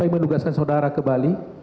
menugaskan saudara ke bali